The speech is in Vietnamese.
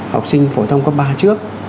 học sinh phổ thông cấp ba trước